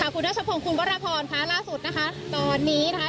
คุณทัชพงศ์คุณวรพรค่ะล่าสุดนะคะตอนนี้นะคะ